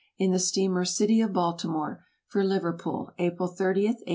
in the steamer "City of Baltimore," for Liverpool, April 30, 1864.